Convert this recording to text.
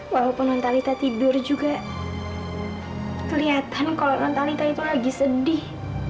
walaupun mentalita tidur juga kelihatan kalau nontalita itu lagi sedih